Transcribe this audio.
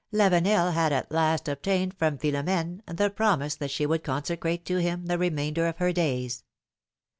Lavenel had at last obtained from Philo m^ne the promise that she would consecrate to him the remainder of her days.